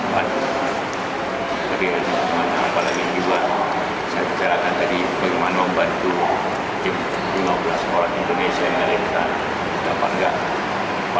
pak tadi ada sebuah hal yang dibuat